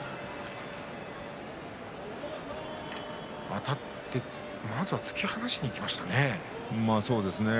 あたって突き放しにいきましたね。